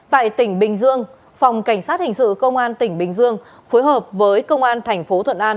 tại tỉnh bình dương phòng cảnh sát hình sự công an tỉnh bình dương phối hợp với công an thành phố thuận an